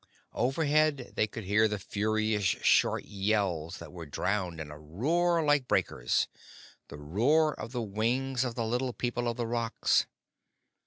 Overhead they could hear furious short yells that were drowned in a roar like breakers the roar of the wings of the Little People of the Rocks.